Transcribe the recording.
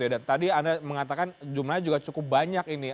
dan tadi anda mengatakan jumlahnya juga cukup banyak ini